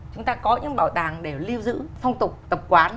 chúng ta có những bảo tàng để lưu giữ phong tục tập quán